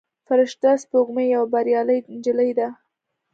فرشته سپوږمۍ یوه بریالۍ نجلۍ ده.